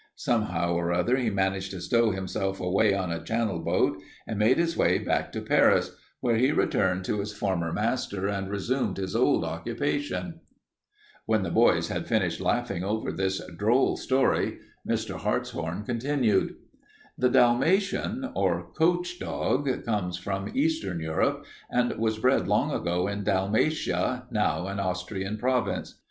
Somehow or other he managed to stow himself away on a Channel boat and made his way back to Paris, where he returned to his former master and resumed his old occupation." [Illustration: Toy Poodle] When the boys had finished laughing over this droll story, Mr. Hartshorn continued: "The Dalmatian or coach dog comes from eastern Europe, and was bred long ago in Dalmatia, now an Austrian province.